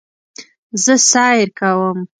زه سیر کوم